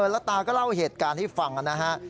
แล้วตาก็เล่าเหตุการณ์ให้ฟังนะฮะ